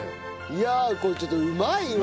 いやあこれちょっとうまいわ！